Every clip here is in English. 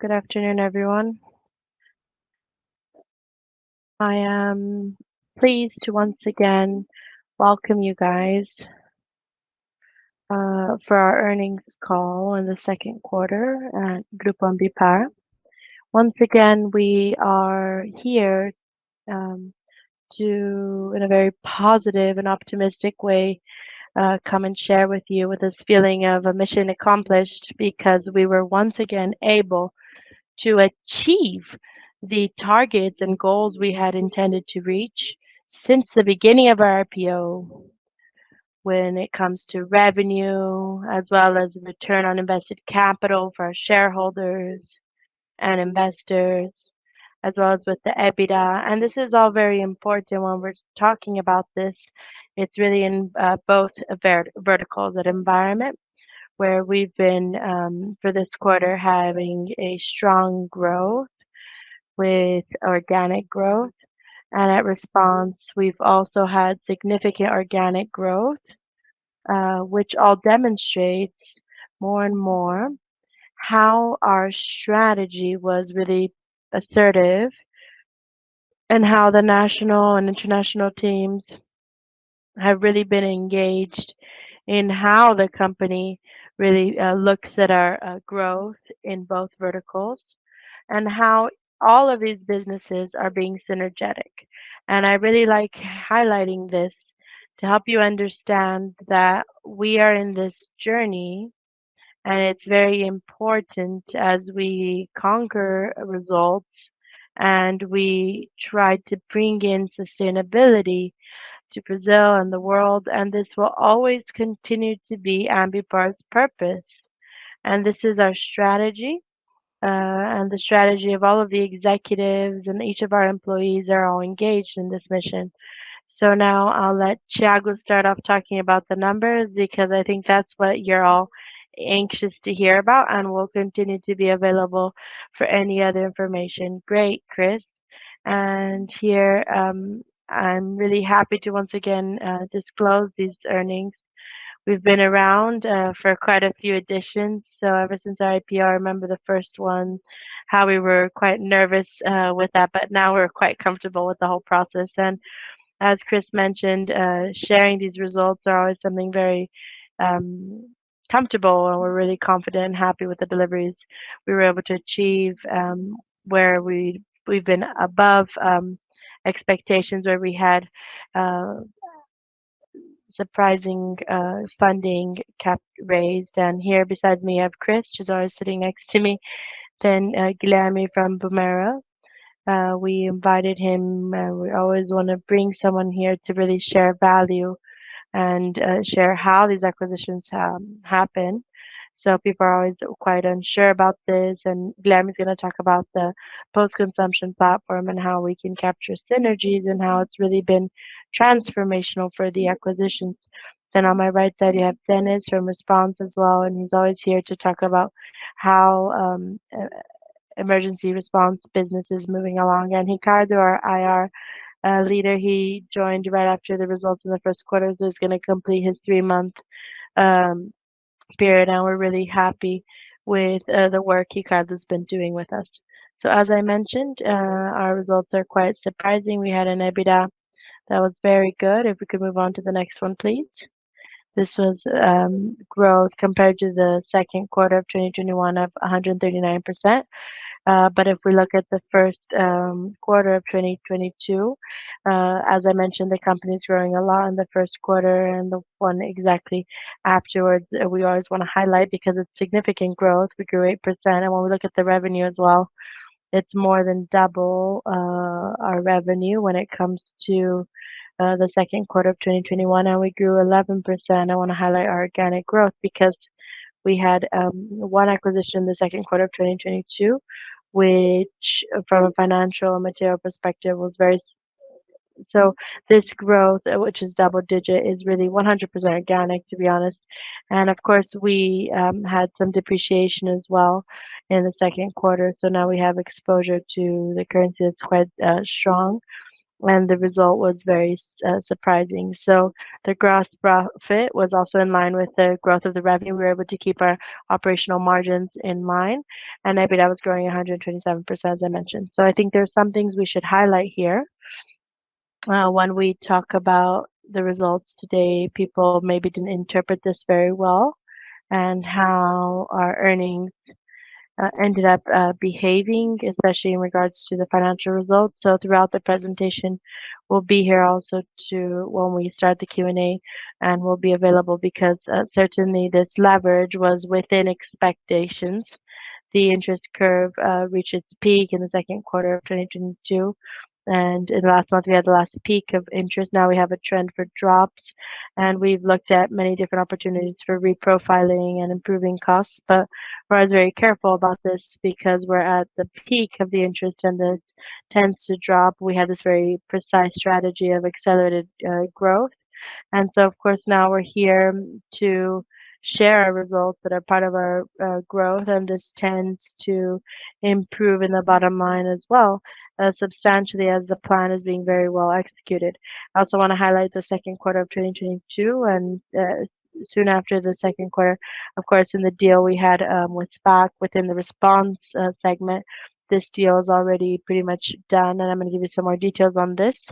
Good afternoon, everyone. I am pleased to once again welcome you guys for our earnings call on the second quarter at Grupo Ambipar. Once again, we are here to, in a very positive and optimistic way, come and share with you with this feeling of a mission accomplished because we were once again able to achieve the targets and goals we had intended to reach since the beginning of our IPO when it comes to revenue as well as return on invested capital for our shareholders and investors, as well as with the EBITDA. This is all very important when we're talking about this. It's really in both vertical, that environment where we've been for this quarter having a strong growth with organic growth. At Response, we've also had significant organic growth, which all demonstrates more and more how our strategy was really assertive and how the national and international teams have really been engaged in how the company really looks at our growth in both verticals and how all of these businesses are being synergetic. I really like highlighting this to help you understand that we are in this journey, and it's very important as we conquer results and we try to bring in sustainability to Brazil and the world, and this will always continue to be Ambipar's purpose. This is our strategy, and the strategy of all of the executives and each of our employees are all engaged in this mission. Now I'll let Thiago start off talking about the numbers because I think that's what you're all anxious to hear about, and we'll continue to be available for any other information. Great, Cris. Here, I'm really happy to once again disclose these earnings. We've been around for quite a few editions, so ever since the IPO, I remember the first one, how we were quite nervous with that, but now we're quite comfortable with the whole process. As Cris mentioned, sharing these results are always something very comfortable, and we're really confident and happy with the deliveries we were able to achieve, where we've been above expectations where we had surprising funding cap raised. Here beside me, I have Cris, she's always sitting next to me. Guilherme from Boomera. We invited him. We always want to bring someone here to really share value and share how these acquisitions happen. People are always quite unsure about this, and Guilherme is going to talk about the post-consumption platform and how we can capture synergies and how it's really been transformational for the acquisitions. On my right side, you have Denis from Response as well, and he's always here to talk about how emergency response business is moving along. Ricardo, our IR leader, he joined right after the results in the first quarter. He's going to complete his three-month period, and we're really happy with the work Ricardo has been doing with us. As I mentioned, our results are quite surprising. We had an EBITDA that was very good. If we could move on to the next one, please. This was growth compared to the second quarter of 2021 of 139%. If we look at the first quarter of 2022, as I mentioned, the company is growing a lot in the first quarter and the one exactly afterwards. We always want to highlight because it's significant growth. We grew 8%. When we look at the revenue as well, it's more than double our revenue when it comes to the second quarter of 2021, and we grew 11%. I want to highlight our organic growth because we had one acquisition in the second quarter of 2022, which from a financial material perspective was very. This growth, which is double-digit, is really 100% organic, to be honest. Of course, we had some depreciation as well in the second quarter. Now we have exposure to the currency. It's quite strong, and the result was very surprising. The gross profit was also in line with the growth of the revenue. We were able to keep our operational margins in line. EBITDA was growing 127%, as I mentioned. I think there's some things we should highlight here. When we talk about the results today, people maybe didn't interpret this very well and how our earnings ended up behaving, especially in regards to the financial results. Throughout the presentation, we'll be here also to when we start the Q&A, and we'll be available because certainly this leverage was within expectations. The interest curve reached its peak in the second quarter of 2022. In the last month, we had the last peak of interest. Now we have a trend for drops, and we've looked at many different opportunities for reprofiling and improving costs. We're always very careful about this because we're at the peak of the interest, and it tends to drop. We have this very precise strategy of accelerated growth. Of course, now we're here to share our results that are part of our growth, and this tends to improve in the bottom line as well substantially as the plan is being very well executed. I also want to highlight the second quarter of 2022, and soon after the second quarter, of course, in the deal we had with HPX within the Response segment, this deal is already pretty much done, and I'm going to give you some more details on this.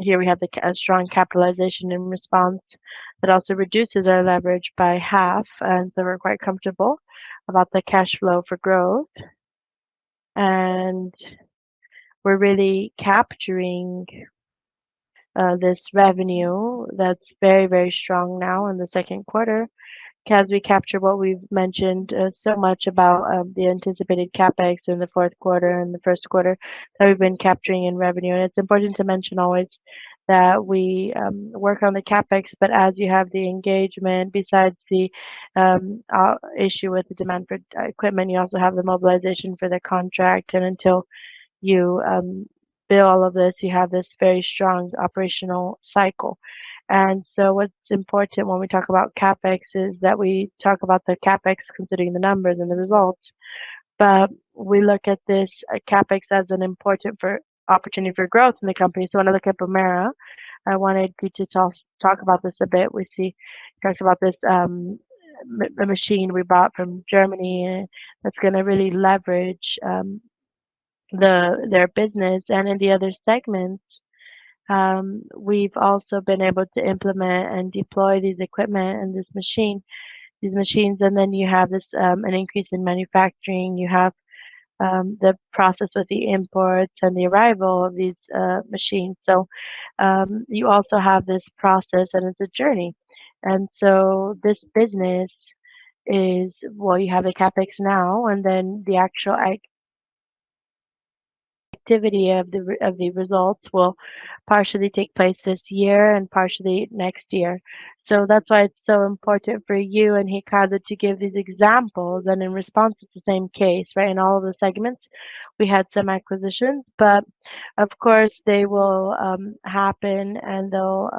Here we have the strong capitalization in Response that also reduces our leverage by half, and so we're quite comfortable about the cash flow for growth. We're really capturing this revenue that's very, very strong now in the second quarter as we capture what we've mentioned so much about, the anticipated CapEx in the fourth quarter and the first quarter that we've been capturing in revenue. It's important to mention always that we work on the CapEx, but as you have the engagement, besides the issue with the demand for equipment, you also have the mobilization for the contract. Until you bill all of this, you have this very strong operational cycle. What's important when we talk about CapEx is that we talk about the CapEx considering the numbers and the results, but we look at this CapEx as an important opportunity for growth in the company. When I look at Boomera, I wanted you to talk about this a bit. We see talks about this, the machine we bought from Germany that's gonna really leverage their business. In the other segments, we've also been able to implement and deploy these equipment and these machines, and then you have this an increase in manufacturing. You have the process with the imports and the arrival of these machines. You also have this process, and it's a journey. This business is, well, you have the CapEx now, and then the actual activity of the results will partially take place this year and partially next year. That's why it's so important for you and Ricardo Garcia to give these examples. In Response, it's the same case, right? In all of the segments, we had some acquisitions, but of course, they will happen, and they'll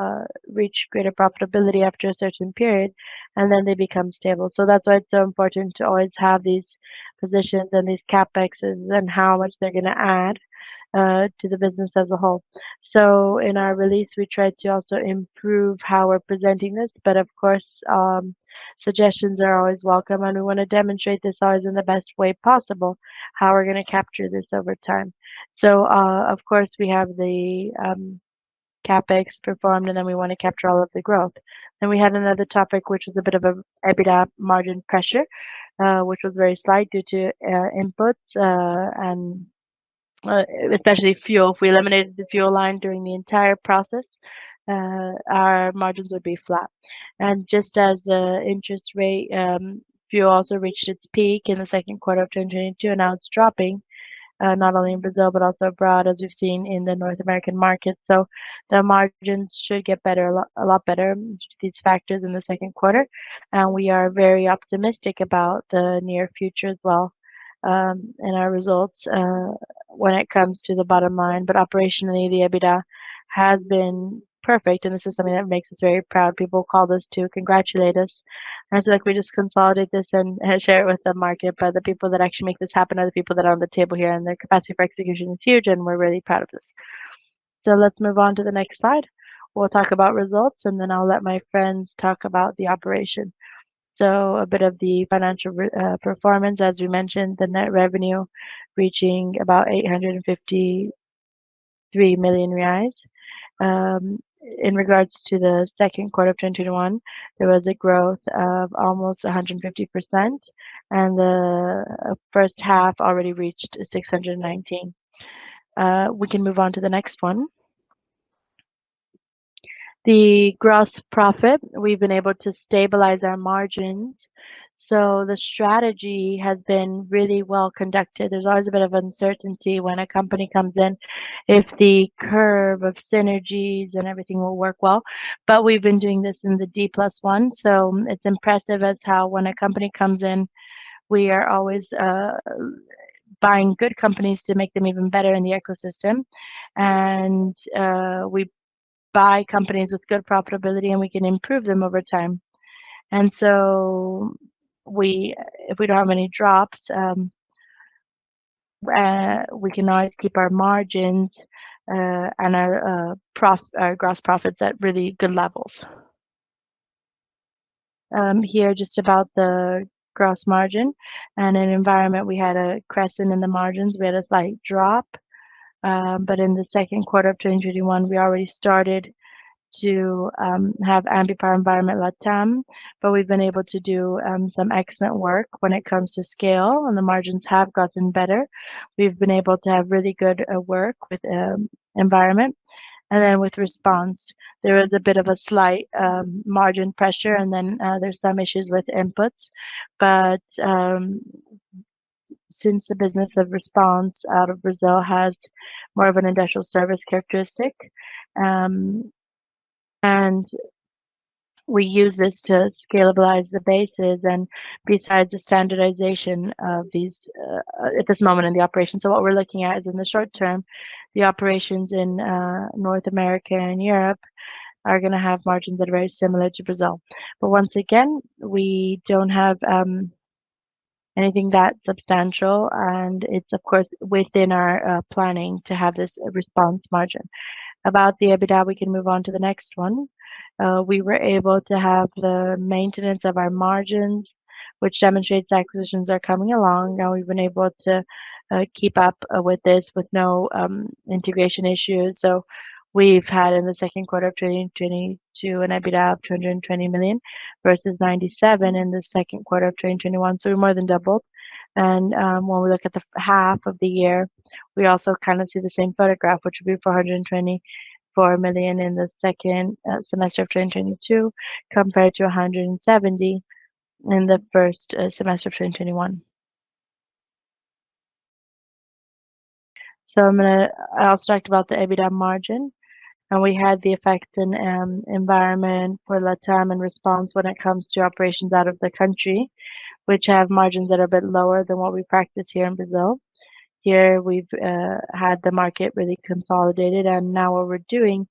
reach greater profitability after a certain period, and then they become stable. That's why it's so important to always have these positions and these CapExs and how much they're gonna add to the business as a whole. In our release, we tried to also improve how we're presenting this. Of course, suggestions are always welcome, and we want to demonstrate this always in the best way possible, how we're gonna capture this over time. Of course, we have the CapEx performed, and then we want to capture all of the growth. We had another topic, which is a bit of a EBITDA margin pressure, which was very slight due to inputs and especially fuel. If we eliminated the fuel line during the entire process, our margins would be flat. Just as the interest rate, fuel also reached its peak in the second quarter of 2022, and now it's dropping, not only in Brazil but also abroad as we've seen in the North American market. The margins should get better, a lot better due to these factors in the second quarter. We are very optimistic about the near future as well, and our results when it comes to the bottom line. Operationally, the EBITDA has been perfect, and this is something that makes us very proud. People call us to congratulate us. It's like we just consolidate this and share it with the market. The people that actually make this happen are the people that are on the table here, and their capacity for execution is huge, and we're really proud of this. Let's move on to the next slide. We'll talk about results, and then I'll let my friends talk about the operation. A bit of the financial performance. As we mentioned, the net revenue reaching about 853 million reais. In regards to the second quarter of 2021, there was a growth of almost 150%, and the first half already reached 619. We can move on to the next one. The gross profit, we've been able to stabilize our margins. The strategy has been really well conducted. There's always a bit of uncertainty when a company comes in if the curve of synergies and everything will work well. We've been doing this in the D+1, so it's impressive as how when a company comes in, we are always buying good companies to make them even better in the ecosystem. We buy companies with good profitability, and we can improve them over time. If we don't have any drops, we can always keep our margins and our gross profits at really good levels. Here just about the gross margin. In Ambipar Environment we had an increase in the margins. We had a slight drop. But in the second quarter of 2021, we already started to have Ambipar Environment LATAM. But we've been able to do some excellent work when it comes to scale, and the margins have gotten better. We've been able to have really good work with Ambipar Environment. And then with Ambipar Response, there is a bit of a slight margin pressure, and then there's some issues with inputs. Since the business of Response out of Brazil has more of an industrial service characteristic, and we use this to scale and stabilize the bases and, besides, the standardization of these at this moment in the operation. What we're looking at is in the short term, the operations in North America and Europe are going to have margins that are very similar to Brazil. Once again, we don't have anything that substantial. It's, of course, within our planning to have this Response margin. About the EBITDA, we can move on to the next one. We were able to have the maintenance of our margins, which demonstrates acquisitions are coming along. Now we've been able to keep up with this with no integration issues. We've had in the second quarter of 2022 an EBITDA of 220 million versus 97 million in the second quarter of 2021. We're more than doubled. When we look at the half of the year, we also kind of see the same picture, which would be 424 million in the second semester of 2022 compared to 170 million in the first semester of 2021. I'm going to elaborate about the EBITDA margin. We had the effects in Environment for LATAM in Response when it comes to operations out of the country, which have margins that are a bit lower than what we practice here in Brazil. Here we've had the market really consolidated. Now what we're doing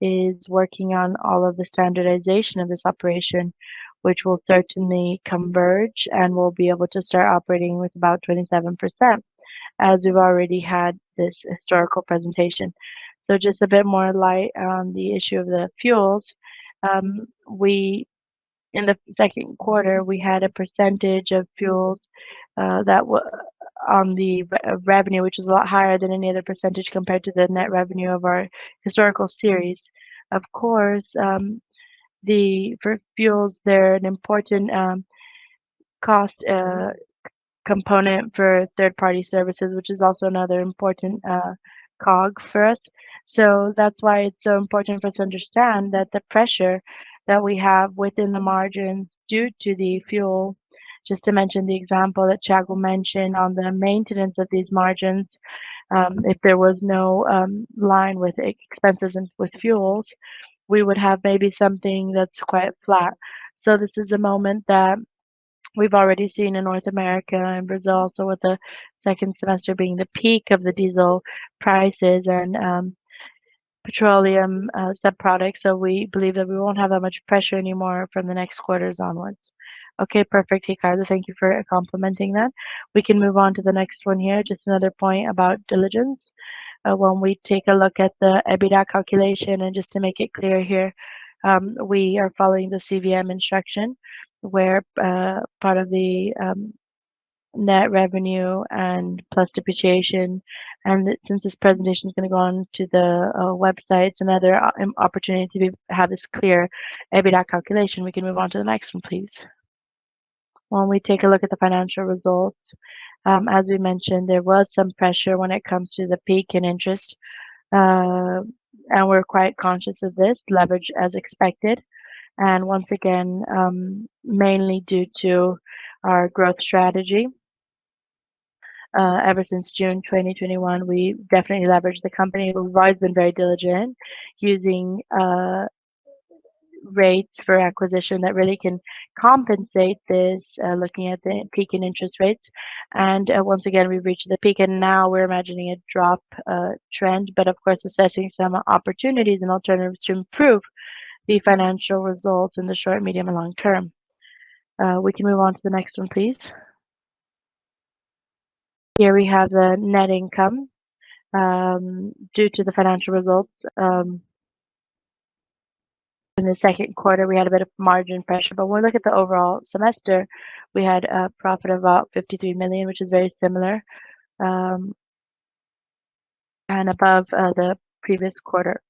is working on all of the standardization of this operation, which will certainly converge and we'll be able to start operating with about 27%, as we've already had this historical presentation. Just a bit more light on the issue of the fuels. We, in the second quarter, we had a percentage of fuels that were on the revenue, which is a lot higher than any other percentage compared to the net revenue of our historical series. Of course, the fuels, they're an important cost component for third-party services, which is also another important COGS for us. That's why it's so important for us to understand that the pressure that we have within the margins due to the fuel, just to mention the example that Thiago mentioned on the maintenance of these margins, if there was no line with expenses and with fuels, we would have maybe something that's quite flat. This is a moment that we've already seen in North America and Brazil. With the second semester being the peak of the diesel prices and petroleum subproducts, we believe that we won't have that much pressure anymore from the next quarters onwards. Okay, perfect. Ricardo, thank you for complimenting that. We can move on to the next one here. Just another point about diligence. When we take a look at the EBITDA calculation, and just to make it clear here, we are following the CVM instruction where part of the net revenue and plus depreciation. Since this presentation is going to go on to the websites and other opportunities to have this clear EBITDA calculation, we can move on to the next one, please. When we take a look at the financial results, as we mentioned, there was some pressure when it comes to the peak in interest. We're quite conscious of this leverage as expected. Once again, mainly due to our growth strategy. Ever since June 2021, we definitely leveraged the company. We've always been very diligent using rates for acquisition that really can compensate this looking at the peak in interest rates. Once again, we've reached the peak and now we're imagining a drop trend. Of course, assessing some opportunities and alternatives to improve the financial results in the short, medium and long term. We can move on to the next one, please. Here we have the net income due to the financial results. In the second quarter, we had a bit of margin pressure. When we look at the overall semester, we had a profit of about 53 million, which is very similar and above the previous quarter.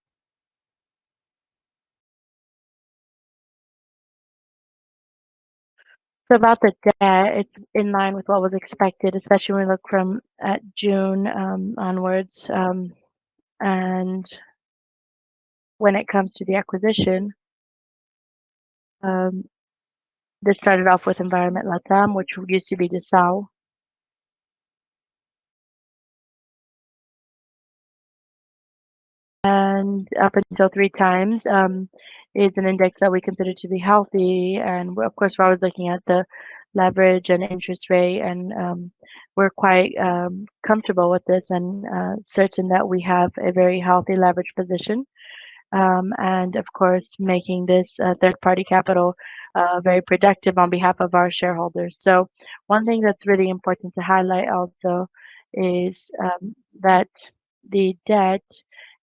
About the debt, it's in line with what was expected, especially when we look from June onwards. When it comes to the acquisition, this started off with Environment LATAM, which would be to be Disal. Up until 3x is an index that we consider to be healthy. Of course, we're always looking at the leverage and interest rate. We're quite comfortable with this and certain that we have a very healthy leverage position. Of course, making this third-party capital very productive on behalf of our shareholders. One thing that's really important to highlight also is that the debt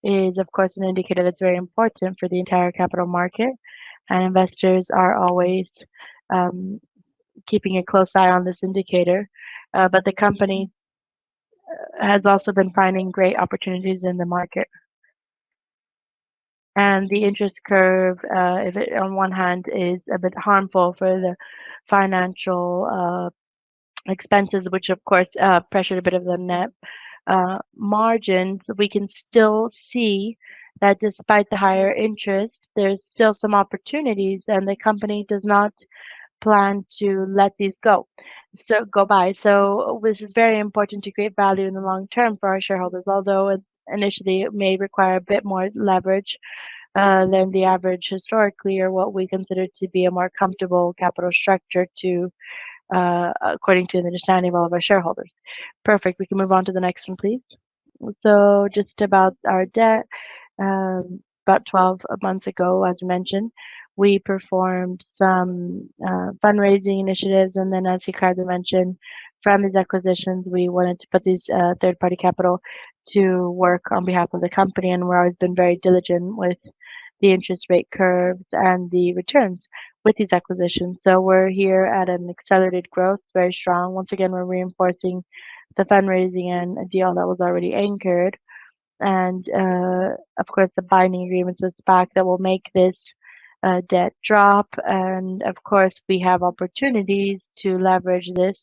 is, of course, an indicator that's very important for the entire capital market. Investors are always keeping a close eye on this indicator. The company has also been finding great opportunities in the market. The interest curve, on one hand, is a bit harmful for the financial expenses, which, of course, pressured a bit of the net margins. We can still see that despite the higher interest, there's still some opportunities. The company does not plan to let these go by. This is very important to create value in the long term for our shareholders, although initially it may require a bit more leverage than the average historically or what we consider to be a more comfortable capital structure, according to the understanding of all of our shareholders. Perfect. We can move on to the next one, please. Just about our debt. About 12 months ago, as mentioned, we performed some fundraising initiatives, and then as Ricardo mentioned, from these acquisitions, we wanted to put this third-party capital to work on behalf of the company, and we've always been very diligent with the interest rate curves and the returns with these acquisitions. We're here at an accelerated growth, very strong. Once again, we're reinforcing the fundraising and a deal that was already anchored. Of course, the binding agreement with SPAC that will make this debt drop. Of course, we have opportunities to leverage this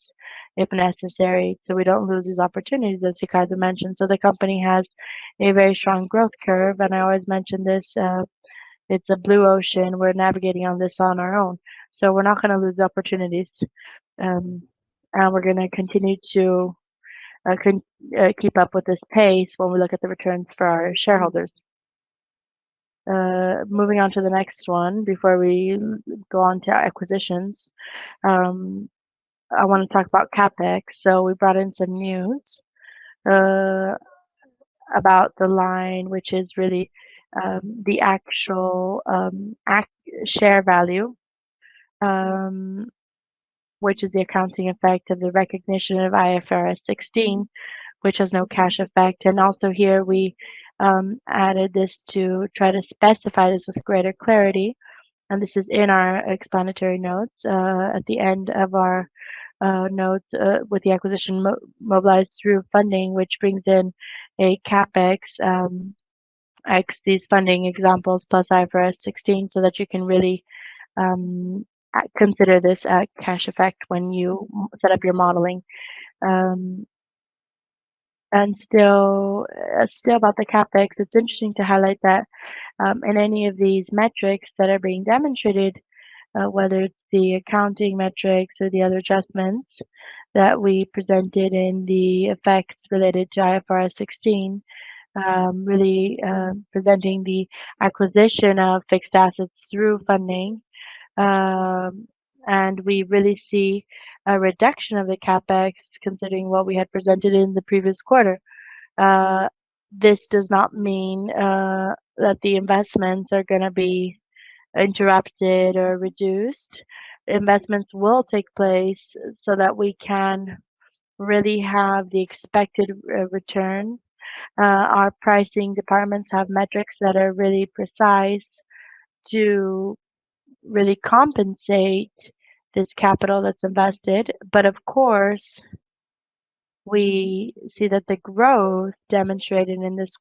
if necessary, so we don't lose these opportunities, as Ricardo mentioned. The company has a very strong growth curve, and I always mention this, it's a blue ocean. We're navigating on this on our own. We're not gonna lose opportunities, and we're gonna continue to keep up with this pace when we look at the returns for our shareholders. Moving on to the next one before we go on to our acquisitions. I wanna talk about CapEx. We brought in some notes about the line, which is really the actual share value, which is the accounting effect of the recognition of IFRS 16, which has no cash effect. Also here we added this to try to specify this with greater clarity, and this is in our explanatory notes at the end of our notes with the acquisition mobilized through funding, which brings in a CapEx excluding these funding examples plus IFRS 16, so that you can really consider this a cash effect when you set up your modeling. Still about the CapEx, it's interesting to highlight that in any of these metrics that are being demonstrated, whether it's the accounting metrics or the other adjustments that we presented in the effects related to IFRS 16, really presenting the acquisition of fixed assets through funding. We really see a reduction of the CapEx considering what we had presented in the previous quarter. This does not mean that the investments are gonna be interrupted or reduced. Investments will take place so that we can really have the expected return. Our pricing departments have metrics that are really precise to really compensate this capital that's invested. Of course, we see that the growth demonstrated in this,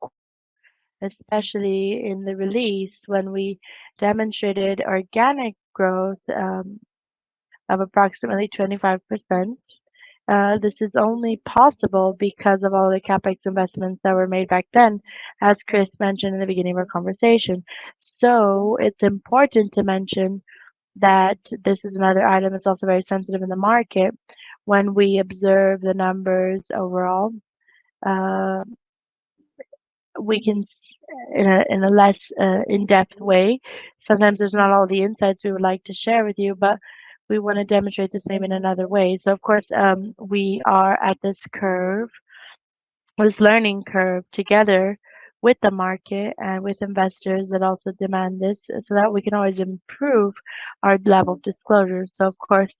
especially in the release when we demonstrated organic growth of approximately 25%. This is only possible because of all the CapEx investments that were made back then, as Cris mentioned in the beginning of our conversation. It's important to mention that this is another item that's also very sensitive in the market when we observe the numbers overall. We can, in a less in-depth way, sometimes there's not all the insights we would like to share with you, but we wanna demonstrate the same in another way. Of course, we are at this curve, this learning curve together with the market and with investors that also demand this so that we can always improve our level of disclosure. Of course,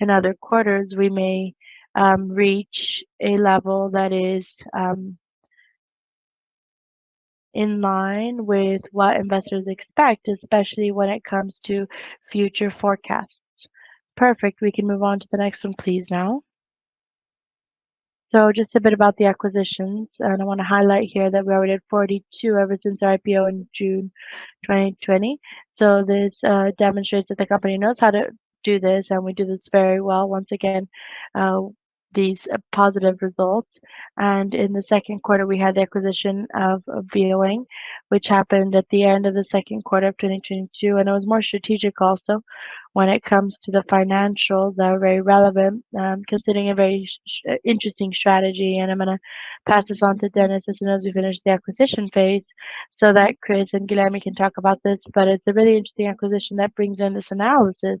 in other quarters, we may reach a level that is in line with what investors expect, especially when it comes to future forecasts. Perfect. We can move on to the next one, please, now. Just a bit about the acquisitions, and I wanna highlight here that we already had 42 ever since our IPO in June 2020. This demonstrates that the company knows how to do this, and we do this very well. Once again, these positive results. In the second quarter, we had the acquisition of Boomera, which happened at the end of the second quarter of 2022, and it was more strategic also when it comes to the financials that are very relevant, considering a very interesting strategy. I'm gonna pass this on to Dennis as soon as we finish the acquisition phase so that Cris and Guilherme can talk about this. It's a really interesting acquisition that brings in this analysis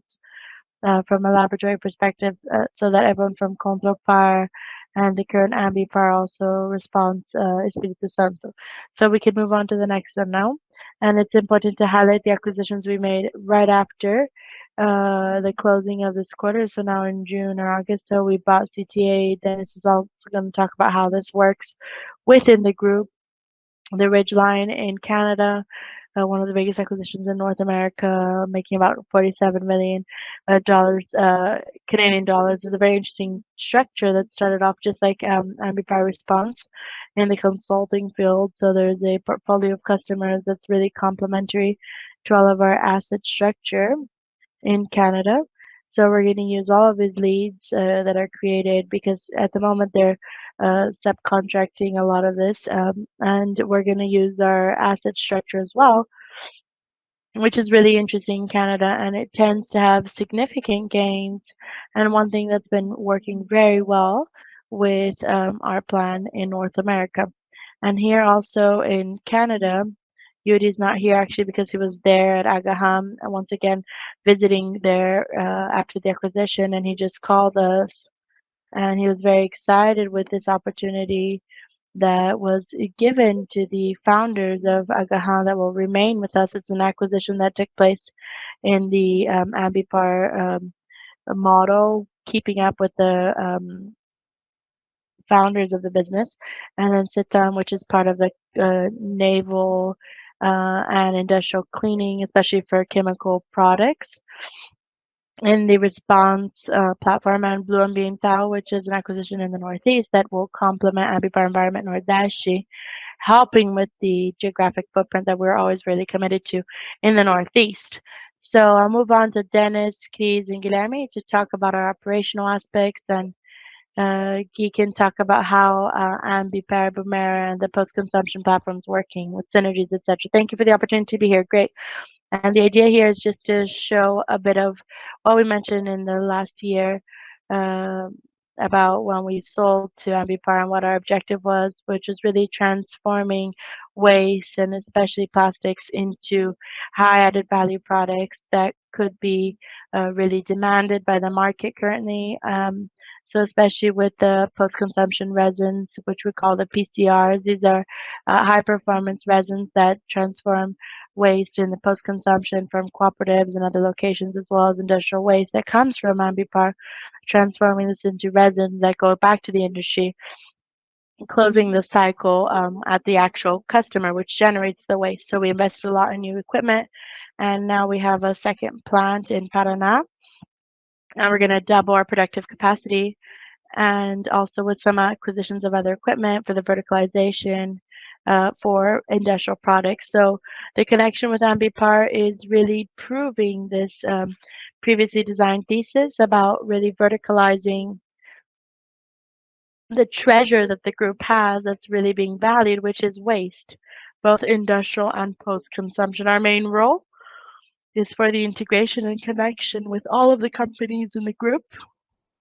from a laboratory perspective so that everyone from Ambipar and the current Ambipar Response is being underserved. We can move on to the next one now. It's important to highlight the acquisitions we made right after the closing of this quarter. Now in June or August, we bought CTA. Dennis is gonna talk about how this works within the group. The Ridgeline in Canada, one of the biggest acquisitions in North America, making about 47 million Canadian dollars. It's a very interesting structure that started off just like Ambipar Response in the consulting field. There's a portfolio of customers that's really complementary to all of our asset structure in Canada. We're gonna use all of these leads that are created because at the moment they're subcontracting a lot of this. We're gonna use our asset structure as well. Which is really interesting in Canada and it tends to have significant gains and one thing that's been working very well with our plan in North America. Here also in Canada, Yuri is not here actually because he was there at Graham once again visiting there after the acquisition and he just called us and he was very excited with this opportunity that was given to the founders of Graham that will remain with us. It's an acquisition that took place in the Ambipar model, keeping up with the founders of the business. C-Tank, which is part of the naval and industrial cleaning, especially for chemical products. The response platform and Blue Ambiental, which is an acquisition in the Northeast that will complement Ambipar Environmental Nordeste, helping with the geographic footprint that we're always really committed to in the Northeast. I'll move on to Dennis, Kees and Guilherme to talk about our operational aspects and he can talk about how Ambipar, Boomera and the post-consumption platforms working with synergies, et cetera. Thank you for the opportunity to be here. Great. The idea here is just to show a bit of what we mentioned in the last year about when we sold to Ambipar and what our objective was, which is really transforming waste and especially plastics into high added value products that could be really demanded by the market currently. Especially with the post-consumption resins, which we call the PCRs. These are high-performance resins that transform waste in the post-consumer from cooperatives and other locations as well as industrial waste that comes from Ambipar, transforming this into resins that go back to the industry, closing the cycle at the actual customer, which generates the waste. We invested a lot in new equipment and now we have a second plant in Paraná and we're going to double our productive capacity and also with some acquisitions of other equipment for the verticalization for industrial products. The connection with Ambipar is really proving this previously designed thesis about really verticalizing the treasure that the group has that's really being valued, which is waste, both industrial and post-consumer. Our main role is for the integration and connection with all of the companies in the group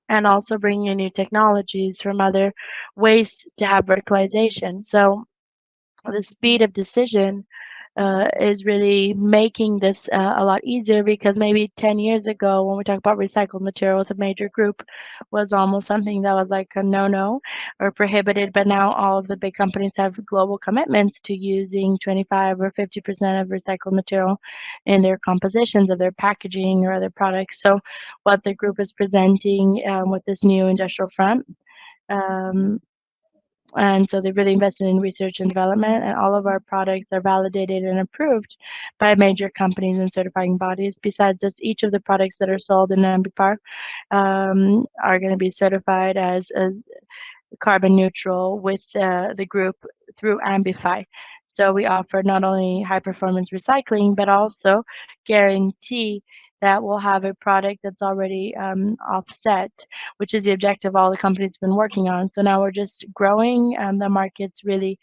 and also bringing in new technologies from other waste to have verticalization. The speed of decision is really making this a lot easier because maybe 10 years ago when we talked about recycled materials, a major group was almost something that was like a no-no or prohibited. Now all of the big companies have global commitments to using 25% or 50% of recycled material in their compositions of their packaging or other products. What the group is presenting with this new industrial front. They really invested in research and development and all of our products are validated and approved by major companies and certifying bodies. Besides this, each of the products that are sold in Ambipar are going to be certified as carbon neutral with the group through Ambify. We offer not only high performance recycling, but also guarantee that we'll have a product that's already offset, which is the objective all the company's been working on. Now we're just growing and the market's really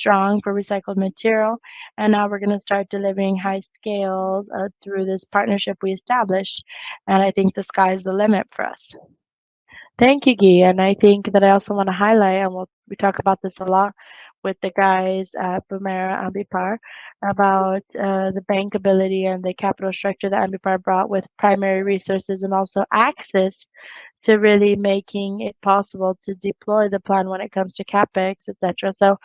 strong for recycled material. Now we're going to start delivering high scale through this partnership we established. I think the sky's the limit for us. Thank you, Guy. I think that I also want to highlight and we talk about this a lot with the guys at Boomera Ambipar about the bankability and the capital structure that Ambipar brought with primary resources and also access to really making it possible to deploy the plan when it comes to CapEx, et cetera.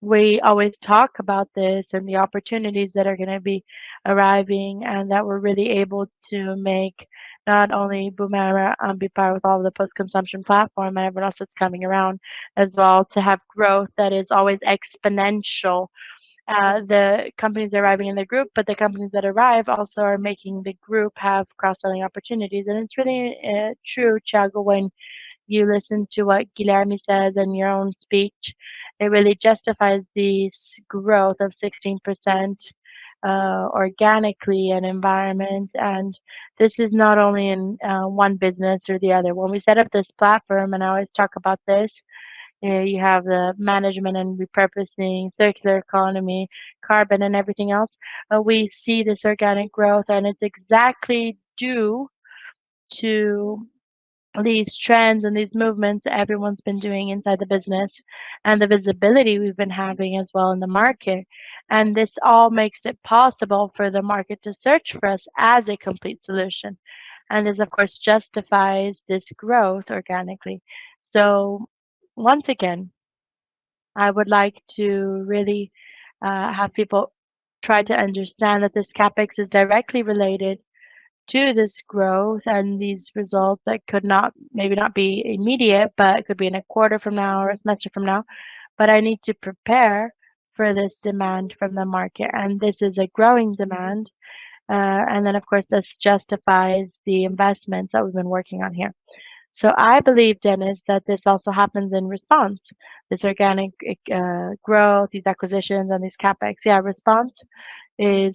We always talk about this and the opportunities that are going to be arriving and that we're really able to make not only Boomera Ambipar with all the post-consumption platform and everyone else that's coming around as well to have growth that is always exponential. The companies arriving in the group, but the companies that arrive also are making the group have cross-selling opportunities. It's really true, Thiago, when you listen to what Guilherme says in your own speech, it really justifies the growth of 16% organically in Environment. This is not only in one business or the other. When we set up this platform, and I always talk about this, you have the management and repurposing, circular economy, carbon and everything else. We see this organic growth and it's exactly due to these trends and these movements everyone's been doing inside the business and the visibility we've been having as well in the market. This all makes it possible for the market to search for us as a complete solution. This, of course, justifies this growth organically. Once again, I would like to really have people try to understand that this CapEx is directly related to this growth and these results that could not maybe not be immediate, but it could be in a quarter from now or a semester from now. I need to prepare for this demand from the market. This is a growing demand. Then, of course, this justifies the investments that we've been working on here. I believe, Dennis, that this also happens in response. This organic growth, these acquisitions and this CapEx response is,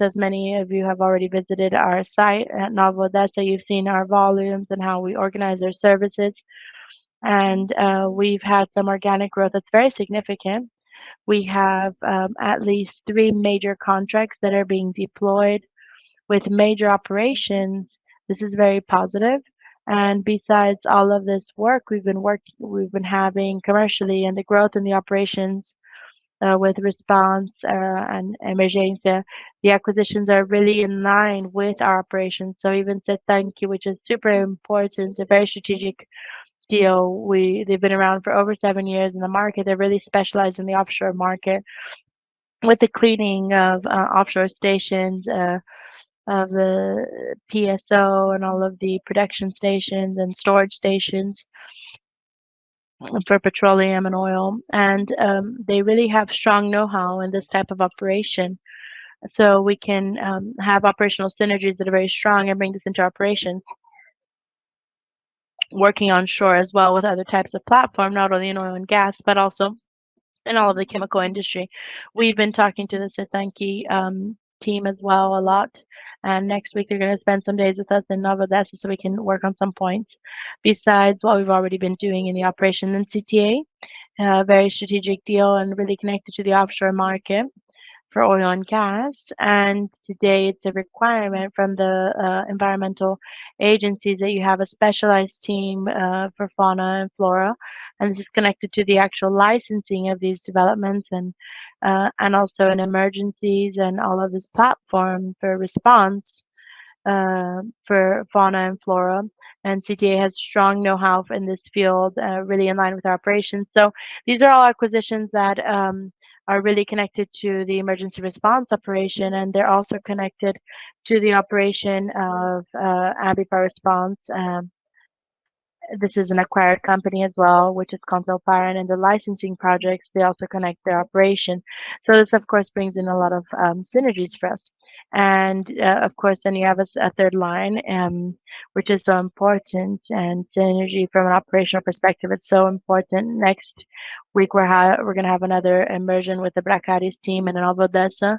as many of you have already visited our site at Nova Odessa. You've seen our volumes and how we organize our services. We've had some organic growth that's very significant. We have at least three major contracts that are being deployed with major operations. This is very positive. Besides all of this work we've been having commercially and the growth in the operations with response and emergency. The acquisitions are really in line with our operations. Even C-Tank, which is super important, it's a very strategic deal. They've been around for over seven years in the market. They're really specialized in the offshore market with the cleaning of offshore stations of the FPSO and all of the production stations and storage stations for petroleum and oil. They really have strong know-how in this type of operation, so we can have operational synergies that are very strong and bring this into operation. Working on shore as well with other types of platform, not only in oil and gas, but also in all of the chemical industry. We've been talking to the C-Tank team as well a lot, and next week they're gonna spend some days with us in Nova Odessa, so we can work on some points besides what we've already been doing in the operation in CTA. A very strategic deal and really connected to the offshore market for oil and gas. Today, it's a requirement from the environmental agencies that you have a specialized team for fauna and flora, and this is connected to the actual licensing of these developments and also in emergencies and all of this platform for response for fauna and flora. CTA has strong know-how in this field, really in line with our operations. These are all acquisitions that are really connected to the emergency response operation, and they're also connected to the operation of Ambipar Response. This is an acquired company as well, which is Constellation, and in the licensing projects they also connect their operation. This of course brings in a lot of synergies for us. Of course, then you have a third line which is so important and synergy from an operational perspective, it's so important. Next week we're gonna have another immersion with the Dracares team in Nova Odessa,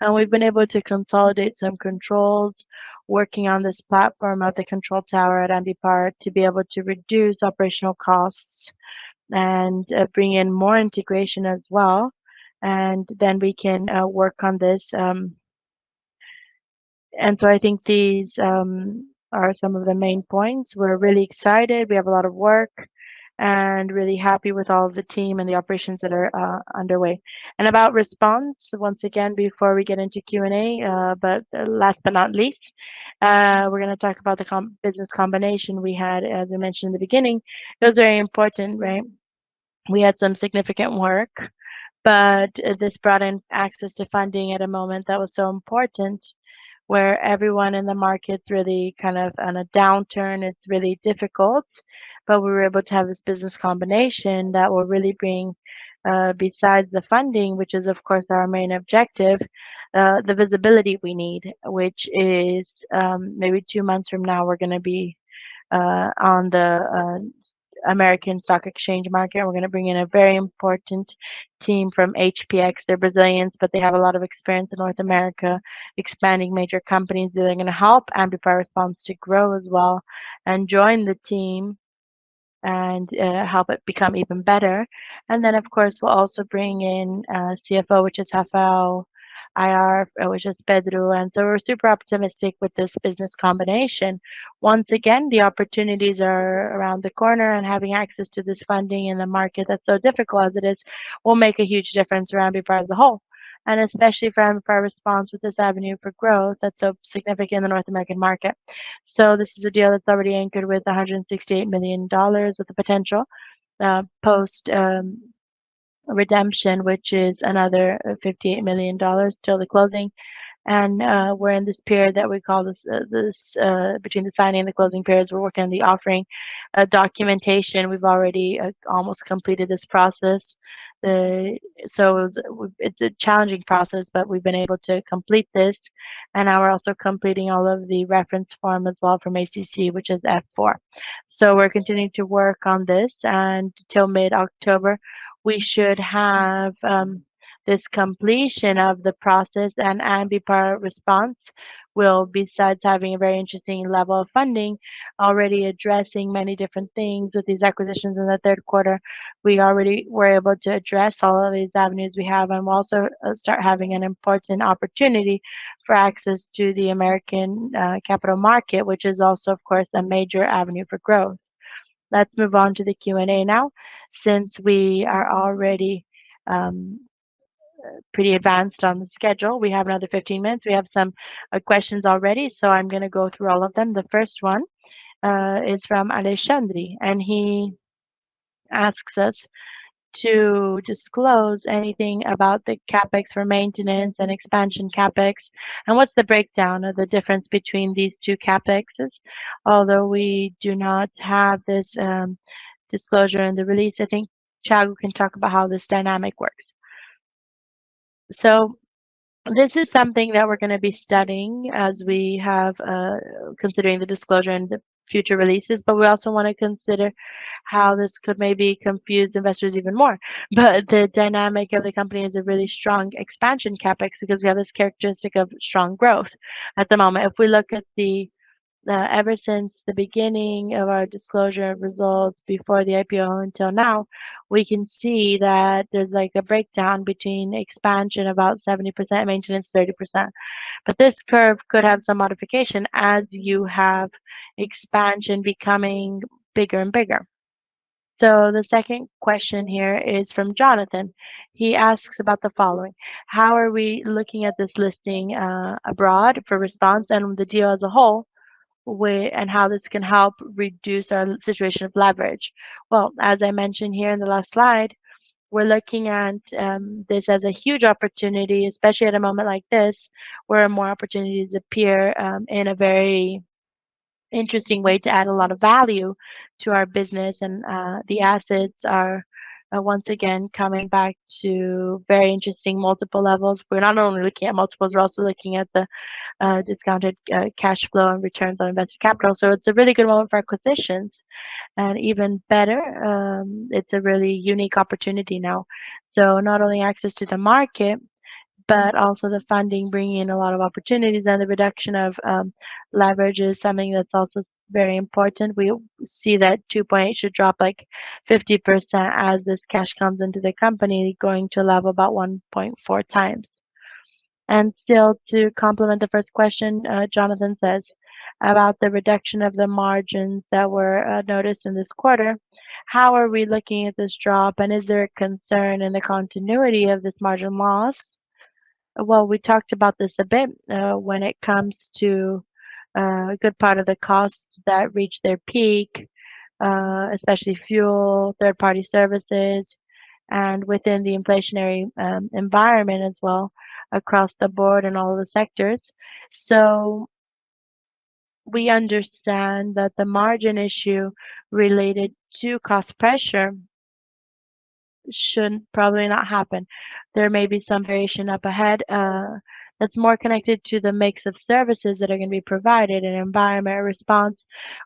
and we've been able to consolidate some controls working on this platform at the control tower at Ambipar to be able to reduce operational costs and bring in more integration as well. Then we can work on this. I think these are some of the main points. We're really excited. We have a lot of work and really happy with all of the team and the operations that are underway. About response, once again, before we get into Q&A, but last but not least, we're gonna talk about the business combination we had. As I mentioned in the beginning, it was very important, right? We had some significant work, but this brought in access to funding at a moment that was so important, where everyone in the market really kind of on a downturn, it's really difficult. We were able to have this business combination that will really bring, besides the funding, which is of course our main objective, the visibility we need, which is, maybe two months from now, we're gonna be on the American Stock Exchange market. We're gonna bring in a very important team from HPX. They're Brazilians, but they have a lot of experience in North America expanding major companies. They are gonna help Ambipar Response to grow as well and join the team and help it become even better. Of course, we'll also bring in CFO, which is Rafael, IR, which is Pedro. We're super optimistic with this business combination. Once again, the opportunities are around the corner and having access to this funding in the market that's so difficult as it is, will make a huge difference around Ambipar as a whole, and especially for Ambipar Response with this avenue for growth that's so significant in the North American market. This is a deal that's already anchored with $168 million with the potential post redemption, which is another $58 million till the closing. We're in this period that we call between the signing and the closing periods. We're working on the offering documentation. We've already almost completed this process. It's a challenging process, but we've been able to complete this. Now we're also completing all of the reference form as well from the SEC, which is Form F-4. We're continuing to work on this, and till mid-October we should have this completion of the process and Ambipar Response will, besides having a very interesting level of funding, already addressing many different things with these acquisitions in the third quarter. We already were able to address all of these avenues we have and we'll also start having an important opportunity for access to the American capital market, which is also, of course, a major avenue for growth. Let's move on to the Q&A now. Since we are already pretty advanced on the schedule, we have another 15 minutes. We have some questions already, so I'm gonna go through all of them. The first one is from Alexandre, and he asks us to disclose anything about the CapEx for maintenance and expansion CapEx, and what's the breakdown or the difference between these two CapExes? Although we do not have this disclosure in the release, I think Thiago can talk about how this dynamic works. This is something that we're gonna be studying as we're considering the disclosure in the future releases. We also wanna consider how this could maybe confuse investors even more. The dynamic of the company is a really strong expansion CapEx because we have this characteristic of strong growth. At the moment, if we look at ever since the beginning of our disclosure results before the IPO until now, we can see that there's like a breakdown between expansion about 70%, maintenance 30%. This curve could have some modification as you have expansion becoming bigger and bigger. The second question here is from Jonathan. He asks about the following: How are we looking at this listing abroad for Response and the deal as a whole, and how this can help reduce our situation of leverage? Well, as I mentioned here in the last slide, we're looking at this as a huge opportunity, especially at a moment like this, where more opportunities appear in a very interesting way to add a lot of value to our business. The assets are once again coming back to very interesting multiple levels. We're not only looking at multiples, we're also looking at the discounted cash flow and returns on invested capital. It's a really good moment for acquisitions, and even better, it's a really unique opportunity now. Not only access to the market, but also the funding bringing in a lot of opportunities and the reduction of leverage is something that's also very important. We see that two point should drop like 50% as this cash comes into the company, going to a level about 1.4 times. Still to complement the first question, Jonathan says about the reduction of the margins that were noticed in this quarter, how are we looking at this drop? Is there a concern in the continuity of this margin loss? Well, we talked about this a bit, when it comes to a good part of the costs that reach their peak, especially fuel, third-party services, and within the inflationary environment as well across the board in all the sectors. We understand that the margin issue related to cost pressure should probably not happen. There may be some variation up ahead, that's more connected to the mix of services that are gonna be provided in Environment Response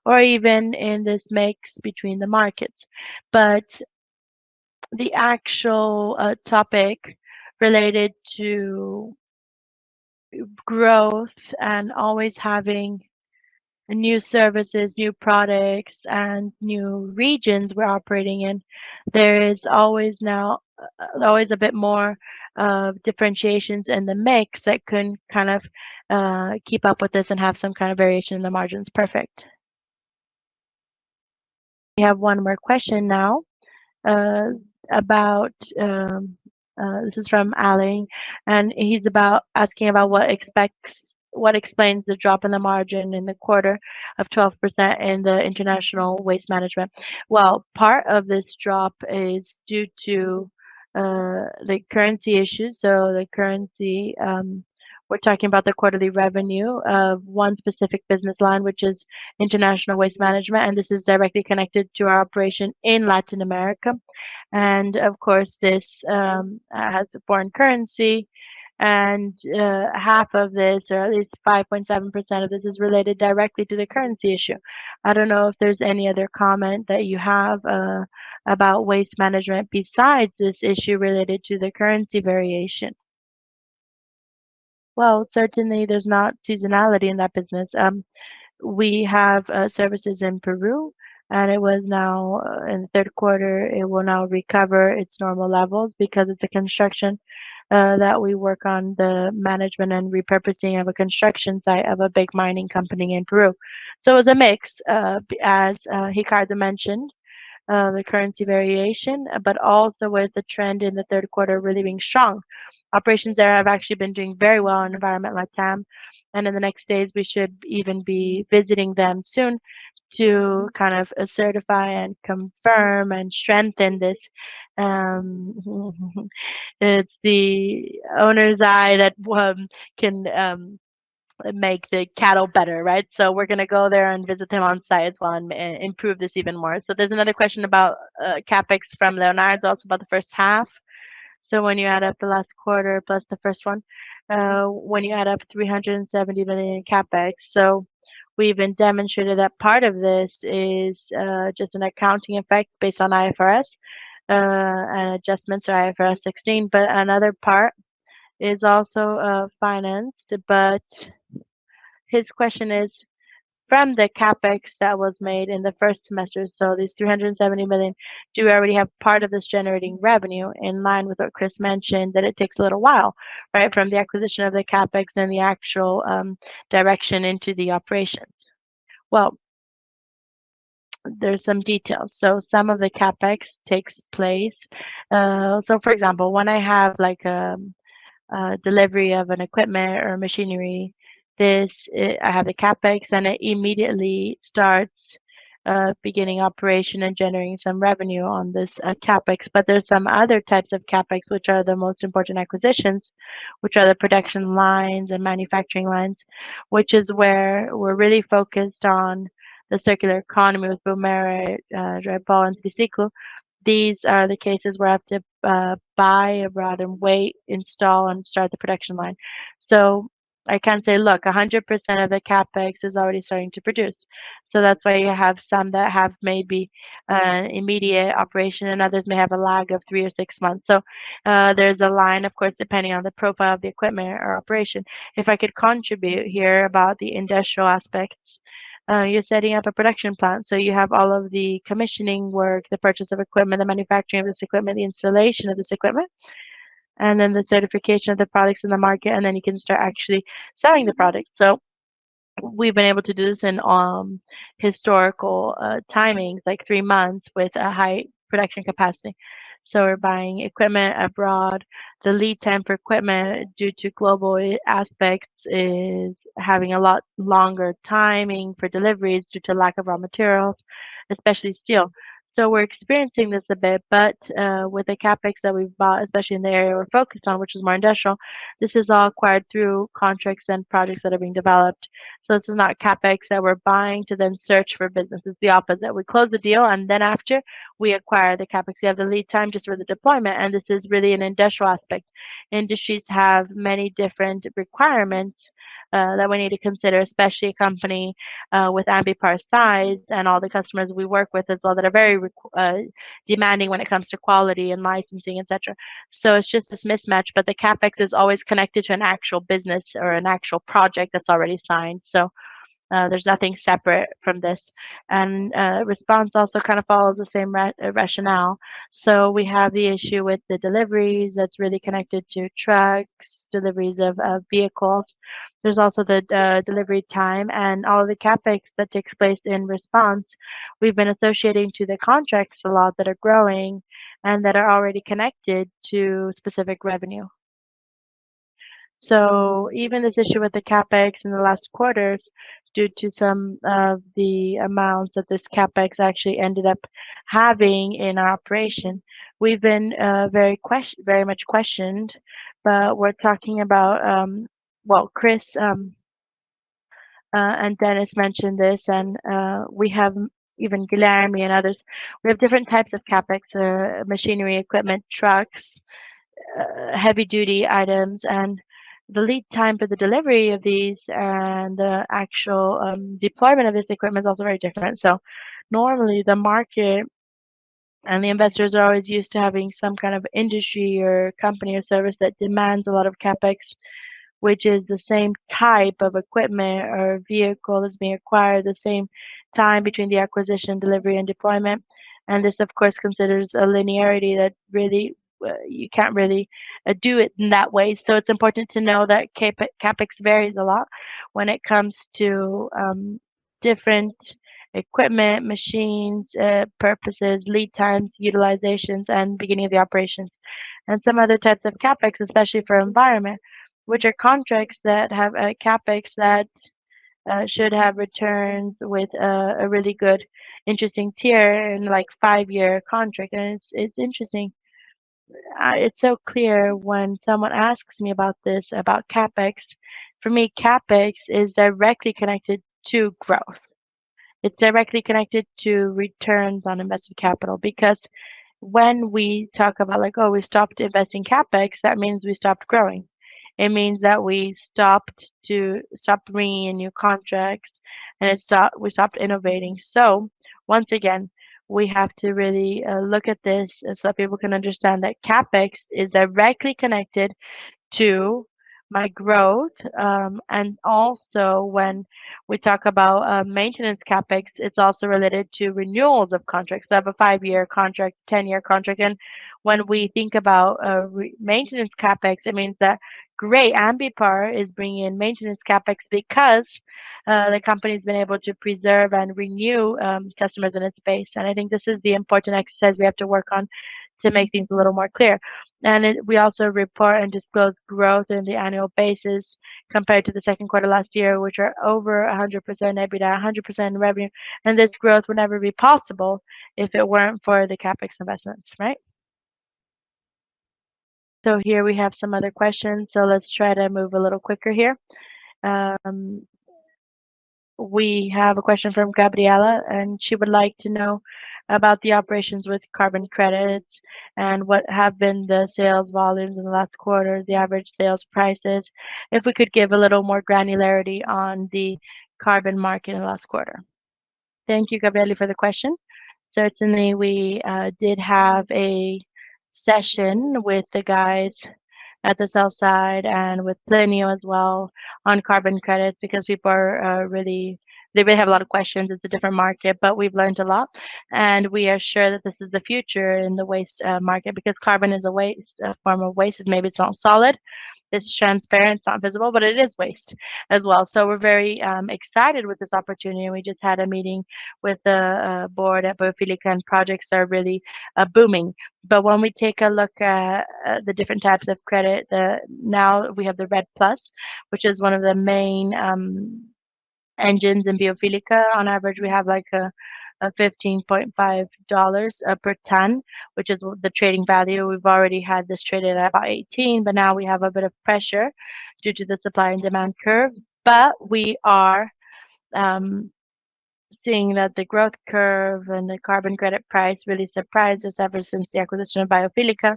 or even in this mix between the markets. The actual topic related to growth and always having new services, new products, and new regions we're operating in, there is always a bit more differentiations in the mix that can kind of keep up with this and have some variation in the margins perfect. We have one more question now about this. This is from Alain, and he's asking about what explains the drop in the margin in the quarter of 12% in the international waste management. Well, part of this drop is due to the currency issues. The currency, we're talking about the quarterly revenue of one specific business line, which is international waste management, and this is directly connected to our operation in Latin America. Of course, this has a foreign currency, and half of this, or at least 5.7% of this is related directly to the currency issue. I don't know if there's any other comment that you have about waste management besides this issue related to the currency variation. Well, certainly there's not seasonality in that business. We have services in Peru, and it was down in the third quarter, it will now recover its normal levels because of the construction that we work on the management and repurposing of a construction site of a big mining company in Peru. It's a mix, as Ricardo mentioned, the currency variation, but also with the trend in the third quarter really being strong. Operations there have actually been doing very well in Environment LATAM, and in the next days, we should even be visiting them soon to kind of certify and confirm and strengthen this. It's the owner's eye that can make the cattle better, right? We're gonna go there and visit him on site as well and improve this even more. There's another question about CapEx from Leonardo, also about the first half. When you add up the last quarter plus the first one, 370 million in CapEx. We've been demonstrated that part of this is just an accounting effect based on IFRS and adjustments to IFRS 16. Another part is also financed. His question is, from the CapEx that was made in the first semester, so these 370 million, do we already have part of this generating revenue in line with what Cris mentioned, that it takes a little while, right, from the acquisition of the CapEx, then the actual direction into the operations? Well, there's some details. Some of the CapEx takes place. For example, when I have like a delivery of an equipment or machinery, this, I have the CapEx, and it immediately starts, beginning operation and generating some revenue on this, CapEx. There's some other types of CapEx, which are the most important acquisitions, which are the production lines and manufacturing lines, which is where we're really focused on the circular economy with Boomera, Drypol, and Ciclo. These are the cases where I have to buy abroad and wait, install, and start the production line. I can't say, look, 100% of the CapEx is already starting to produce. That's why you have some that have maybe immediate operation, and others may have a lag of three or six months. There's a line, of course, depending on the profile of the equipment or operation. If I could contribute here about the industrial aspect. You're setting up a production plant. You have all of the commissioning work, the purchase of equipment, the manufacturing of this equipment, the installation of this equipment, and then the certification of the products in the market, and then you can start actually selling the product. We've been able to do this in historical timings, like three months with a high production capacity. We're buying equipment abroad. The lead time for equipment due to global aspects is having a lot longer timing for deliveries due to lack of raw materials, especially steel. We're experiencing this a bit, but with the CapEx that we've bought, especially in the area we're focused on, which is more industrial, this is all acquired through contracts and projects that are being developed. This is not CapEx that we're buying to then search for businesses. It's the opposite. We close the deal and then after we acquire the CapEx, we have the lead time just for the deployment. This is really an industrial aspect. Industries have many different requirements that we need to consider, especially a company with Ambipar size and all the customers we work with as well that are very demanding when it comes to quality and licensing, et cetera. It's just this mismatch, but the CapEx is always connected to an actual business or an actual project that's already signed. There's nothing separate from this. Response also kind of follows the same rationale. We have the issue with the deliveries that's really connected to trucks, deliveries of vehicles. There's also the delivery time and all the CapEx that takes place in response. We've been associating to the contracts a lot that are growing and that are already connected to specific revenue. Even this issue with the CapEx in the last quarters due to some of the amounts that this CapEx actually ended up having in our operation, we've been very much questioned. We're talking about, well, Cris and Dennis mentioned this and we have even Guilherme and others. We have different types of CapEx, machinery, equipment, trucks, heavy duty items, and the lead time for the delivery of these and the actual deployment of this equipment is also very different. Normally the market and the investors are always used to having some kind of industry or company or service that demands a lot of CapEx, which is the same type of equipment or vehicle that's being acquired at the same time between the acquisition, delivery and deployment. This of course considers a linearity that really you can't really do it in that way. It's important to know that CapEx varies a lot when it comes to different equipment, machines, purposes, lead times, utilizations and beginning of the operations and some other types of CapEx, especially for environment, which are contracts that have a CapEx that should have returns with a really good interesting tier and like five-year contract. It's interesting. It's so clear when someone asks me about this, about CapEx. For me, CapEx is directly connected to growth. It's directly connected to returns on invested capital because when we talk about like, oh, we stopped investing CapEx, that means we stopped growing. It means that we stopped bringing in new contracts and we stopped innovating. Once again, we have to really look at this so people can understand that CapEx is directly connected to my growth. Also when we talk about maintenance CapEx, it's also related to renewals of contracts. I have a five-year contract, 10-year contract. When we think about maintenance CapEx, it means that Grupo Ambipar is bringing in maintenance CapEx because the company has been able to preserve and renew customers in its space. I think this is the important exercise we have to work on to make things a little more clear. We also report and disclose growth on an annual basis compared to the second quarter last year, which are over 100% EBITDA, 100% revenue. This growth would never be possible if it weren't for the CapEx investments, right? Here we have some other questions. Let's try to move a little quicker here. We have a question from Gabriela and she would like to know about the operations with carbon credits and what have been the sales volumes in the last quarter, the average sales prices, if we could give a little more granularity on the carbon market in the last quarter. Thank you, Gabriela, for the question. Certainly we did have a session with the guys at the sell side and with Plinio as well on carbon credits because people are really, they really have a lot of questions. It's a different market, but we've learned a lot. We are sure that this is the future in the waste market because carbon is a waste, a form of waste. Maybe it's not solid. It's transparent, it's not visible, but it is waste as well. We're very excited with this opportunity. We just had a meeting with the board at Biofílica and projects are really booming. When we take a look at the different types of credit, now we have the REDD+, which is one of the main engines in Biofílica. On average, we have like a $15.5 per ton, which is the trading value. We've already had this traded at about $18, but now we have a bit of pressure due to the supply and demand curve. We are seeing that the growth curve and the carbon credit price really surprised us ever since the acquisition of Biofílica.